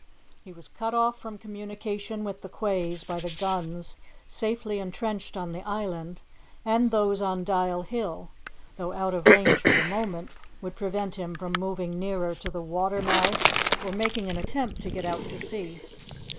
He was cut off from communication with the quays by the guns safely entrenched on the island, and those on Dial Hill, though out of range for the moment, would prevent him from moving nearer to the watermouth or making an attempt to get out to sea.